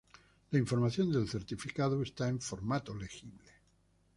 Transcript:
La información del certificado está en formato legible.